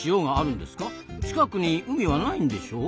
近くに海はないんでしょ？